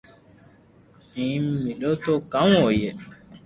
اپي ٻئي ملو تو ڪاو ھوئي